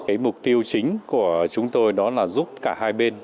cái mục tiêu chính của chúng tôi đó là giúp cả hai bên